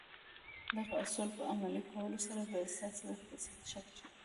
د دغو اصولو په عملي کولو سره به ستاسې اقتصاد ښه شي.